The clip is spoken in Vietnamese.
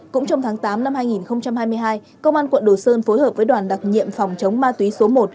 cũng trong tháng tám năm hai nghìn hai mươi hai công an quận đồ sơn phối hợp với đoàn đặc nhiệm phòng chống ma túy số một